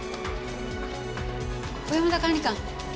小山田管理官。